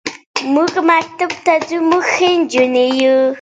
ایا زه باید ارګ ته لاړ شم؟